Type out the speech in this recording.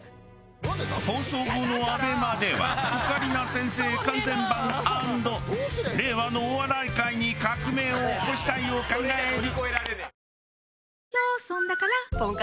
放送後のＡＢＥＭＡではオカリナ先生完全版＆令和のお笑い界に革命を起こしたいを考える。